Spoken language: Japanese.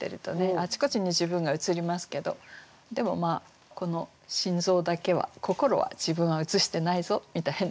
あちこちに自分が映りますけどでもまあこの心臓だけは心は自分は映してないぞみたいな。